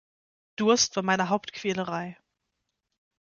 Durst war meine Hauptquälerei.